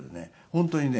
本当にね